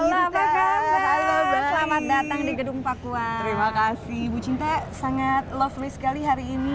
selamat pagi ibu cinta selamat datang di gedung pakuan terima kasih ibu cinta sangat lovely sekali hari ini